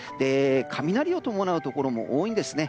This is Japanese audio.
雷を伴うところも多いんですね。